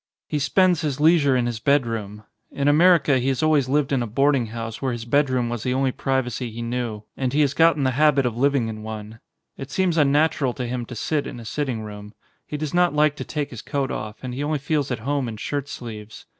He spends his leisure in his bed room. In America he has always lived in a board ing house where his bedroom was the only privacy 181 ON A CHINESE SCREEN he knew, and he has gotten the habit of living in one. It seems unnatural to him to sit in a sitting room ; he does not like to take his coat off, and he only feels at home in shirt sleeves.